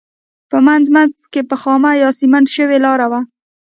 په منځ منځ کې به خامه یا سمنټ شوې لاره وه.